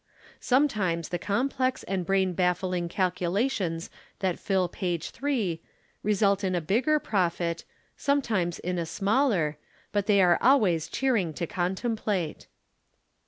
Sometimes the complex and brain baffling calculations that fill page three result in a bigger profit, sometimes in a smaller, but they are always cheering to contemplate.